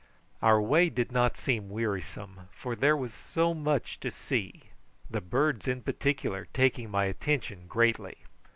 Our way did not seem wearisome, for there was so much to see, the birds in particular taking my attention greatly.